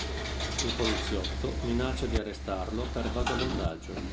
Il poliziotto minaccia di arrestarlo per vagabondaggio.